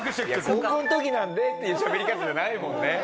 「高校の時なんで」っていうしゃべり方じゃないもんね。